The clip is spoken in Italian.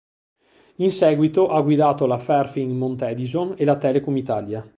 In seguito ha guidato la Ferfin-Montedison e la Telecom Italia.